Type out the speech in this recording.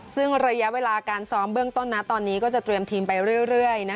ซึ่งระยะเวลาการซ้อมเบื้องต้นตอนนี้ก็จะเตรียมทีมไปเรื่อย